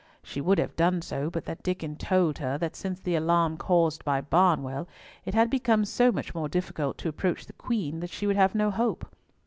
She would have done so, but that Diccon told her that since the alarm caused by Barnwell, it had become so much more difficult to approach the Queen that she would have no hope.